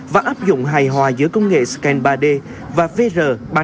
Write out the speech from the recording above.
và áp dụng hài hòa giữa công nghệ scan ba d và vr ba trăm bốn mươi